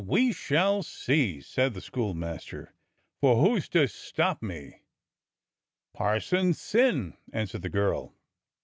"We shall see," said the schoolmaster, "for who's to stop me?" "Parson Syn," answered the girl.